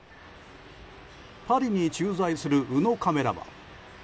パリに駐在する宇野カメラマン。